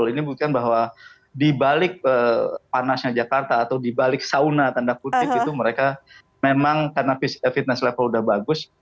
ini buktikan bahwa dibalik panasnya jakarta atau dibalik sauna tanda kutip itu mereka memang karena fitness level udah bagus